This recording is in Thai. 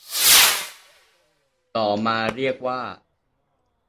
ต่อมาเรียกว่า